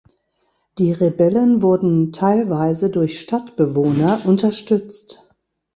Die Rebellen wurden teilweise durch Stadtbewohner unterstützt.